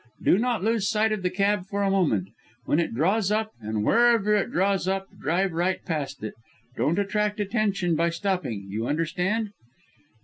Do not lose sight of the cab for a moment. When it draws up, and wherever it draws up, drive right past it. Don't attract attention by stopping. You understand?"